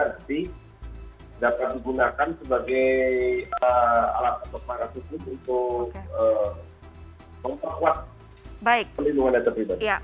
dan juga dapat digunakan sebagai alat untuk para suku untuk memperkuat pelindungan data pribadi